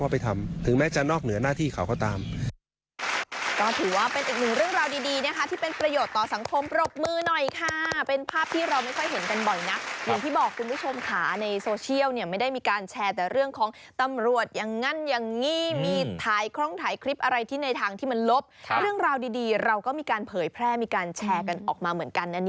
เป็นหน้าที่ข่าวเข้าตาม